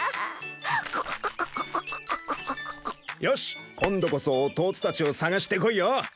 よし今度こそ弟たちを捜してこいよ！